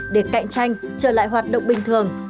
để cạnh tranh trở lại hoạt động bình thường